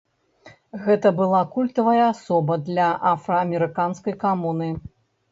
Гэта была культавая асоба для афраамерыканскай камуны.